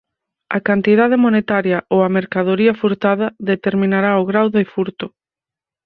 A cantidade monetaria ou a mercadoría furtada determinará o grao de furto.